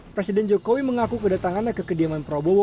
presiden jokowi mengaku kedatangannya ke kediaman prabowo